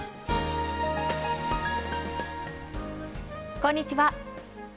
こんにちは。